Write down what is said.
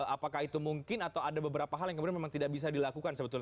apakah itu mungkin atau ada beberapa hal yang kemudian memang tidak bisa dilakukan sebetulnya